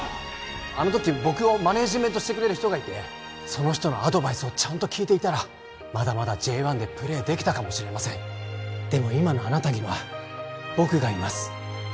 あの時僕をマネージメントしてくれる人がいてその人のアドバイスをちゃんと聞いていたらまだまだＪ１でプレーできたかもしれませんでも今のあなたには僕がいます